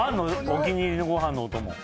お気に入りのご飯のお供。